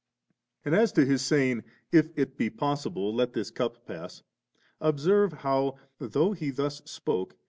And as to His saying, * If it be possible, let the cup pass,' observe how, though He thus spake.